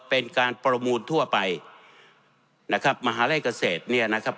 เป็นการประมูลทั่วไปนะครับมหาลัยเกษตรเนี่ยนะครับ